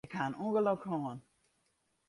Ik ha in ûngelok hân.